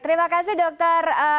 terima kasih dokter